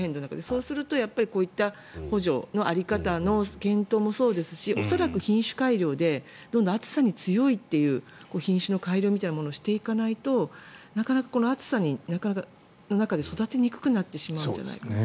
そうすると、こういった補助の在り方の検討もそうですし恐らく品種改良でどんどん暑さに強い品種の改良みたいなものをしていかないとなかなか暑さの中で育てにくくなってしまうんじゃないかと。